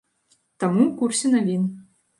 Таму ў курсе навін.